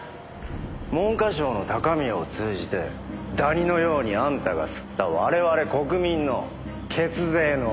文科省の高宮を通じてダニのようにあんたが吸った我々国民の血税の１億円。